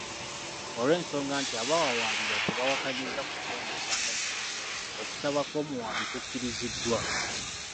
Olw'ensonga nti abawawaabirwa tebawakanyizza kuggyayo musango guno, okusaba kw'omuwaabi kukkiriziddwa.